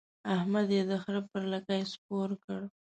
احمد يې د خره پر لکۍ سپور کړ.